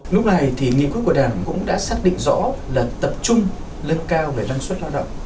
lúc này thì nghị quyết của đảng cũng đã xác định rõ là tập trung lên cao về năng suất lao động